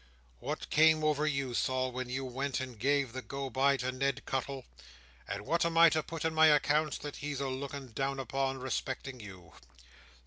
What came over you, Sol, when you went and gave the go bye to Ned Cuttle; and what am I to put in my accounts that he's a looking down upon, respecting you!